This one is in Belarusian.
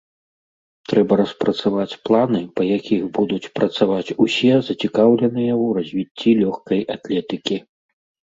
Трэба распрацаваць планы, па якіх будуць працаваць усе, зацікаўленыя ў развіцці лёгкай атлетыкі.